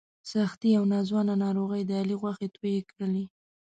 سختې او ناځوانه ناروغۍ د علي غوښې تویې کړلې.